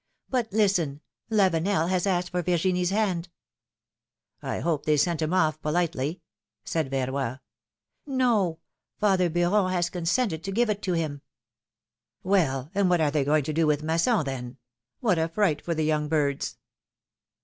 ^^But listen, Lavenel has asked for Virginie's hand !" I hope they sent him off politely !" said Verroy. No ! Father Beuron has consented to give it to him." Well, and what are they going to do with Masson, then ? What a fright for the young birds